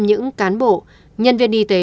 những cán bộ nhân viên y tế